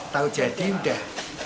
tau jadi udah